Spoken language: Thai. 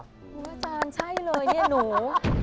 อาจารย์ใช่เลยเนี่ยหนู